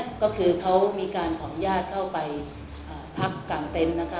ในกรณีเนี่ยก็คือเขามีการขอบญญาติเข้าไปพักกลางเต็มนะคะ